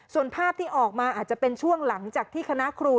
ส่วนภาพที่ออกมาอาจจะเป็นช่วงหลังจากที่คณะครู